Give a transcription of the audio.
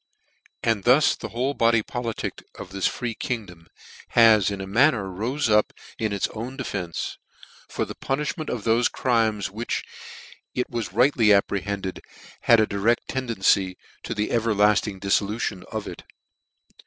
189 cc And thus the whole body politic of this free kingdom has in a manner rofe up in its own de fence, for the punishment of thofe crimes, which, it was rightly apprehended, had a direct tendency to the everlafting diffolution of it.